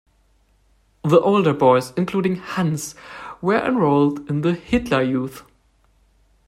The older boys, including Hans, were enrolled in the Hitler Youth.